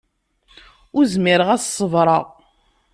Ur zmireɣ ad s-ṣebreɣ.